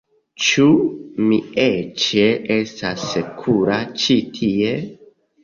Ĉu mi eĉ estas sekura ĉi tie?